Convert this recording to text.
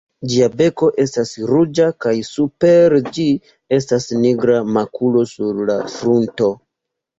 Ĝia beko estas ruĝa kaj super ĝi estas nigra makulo sur la frunto.